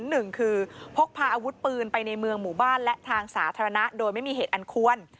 หนึ่งคือพกพาอาวุธปืนไปในเมืองหมู่บ้านและทางสาธารณะโดยไม่มีเหตุอันควร